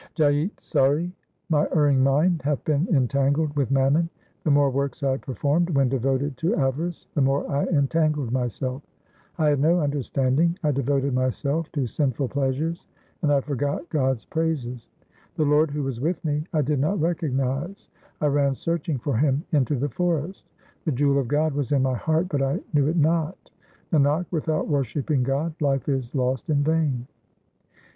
Jaitsari I My erring mind hath been entangled with mammon ; The more works I performed when devoted to avarice, the more I entangled myself ; I had no understanding, I devoted myself to sinful plea sures, and I forgot God's praises ; The Lord who was with me I did not recognize, I ran searching for Him into the forest. The jewel of God was in my heart, but I knew it not. Nanak, without worshipping God life is lost in vain.